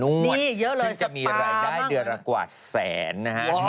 นี่เยอะเลยสปาบ้างซึ่งจะมีรายได้เดือนละกว่าแสนนะฮะ